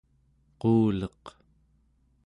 quuleq